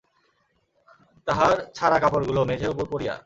তাহার ছাড়া-কাপড়গুলা মেঝের উপর পড়িয়া।